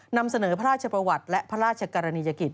นำเสนอพระราชประวัติและพระราชกรณียกิจ